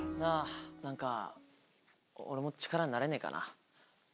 何か俺も力になれねえかな？